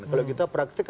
kalau kita praktik